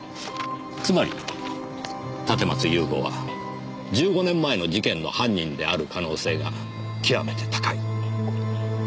つまり立松雄吾は１５年前の事件の犯人である可能性が極めて高い。